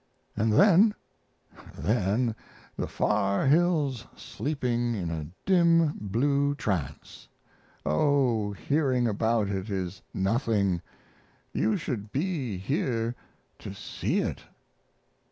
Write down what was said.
& then then the far hills sleeping in a dim blue trance oh, hearing about it is nothing, you should be here to see it!